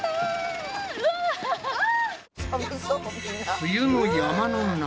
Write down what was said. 冬の山の中！？